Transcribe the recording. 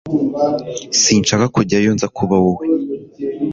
Sinshaka kujyayo iyo nza kuba wowe